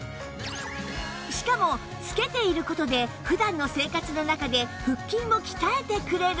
しかも着けている事で普段の生活の中で腹筋を鍛えてくれる